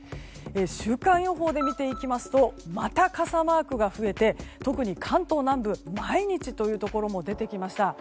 週間予報で見ていきますとまた傘マークが増えて特に関東南部は毎日というところも出てきました。